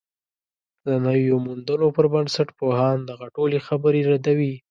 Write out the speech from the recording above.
د نویو موندنو پر بنسټ، پوهان دغه ټولې خبرې ردوي